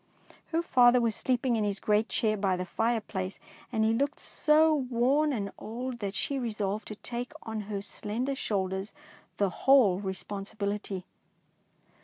Her father was sleeping in his great chair by the fireplace, and he looked so worn and old that she re solved to take on her own slender shoulders the whole responsibility.